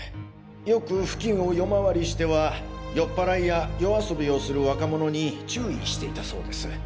よく付近を夜回りしては酔っ払いや夜遊びをする若者に注意していたそうです。